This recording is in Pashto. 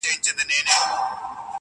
که منلې شل کلنه مي سزا وای -